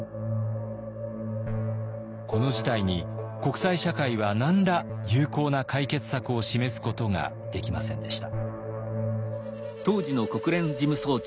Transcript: この事態に国際社会は何ら有効な解決策を示すことができませんでした。